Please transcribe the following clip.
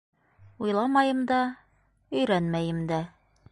Уйламайым да, өйрәнмәйем дә.